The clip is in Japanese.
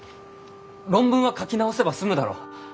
論文は書き直せば済むだろう？